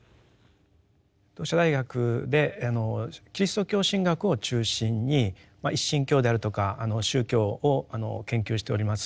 同志社大学でキリスト教神学を中心に一神教であるとか宗教を研究しております